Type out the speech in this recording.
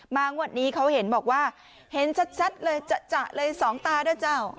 งวดนี้เขาเห็นบอกว่าเห็นชัดเลยจะเลยสองตาด้วยเจ้า